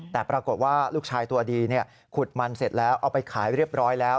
แต่ปรากฏว่าลูกชายตัวดีขุดมันเสร็จแล้วเอาไปขายเรียบร้อยแล้ว